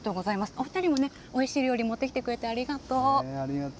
お２人もね、おいしい料理持ってきてくれてありがとう。